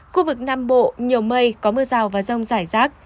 khu vực nam bộ nhiều mây có mưa rào và rông rải rác